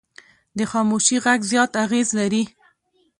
د خاموشي غږ زیات اغېز لري